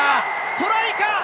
トライか？